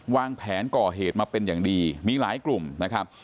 วางแผนก่อเหตุมาเป็นอย่างดีมีหลายกลุ่มนะครับ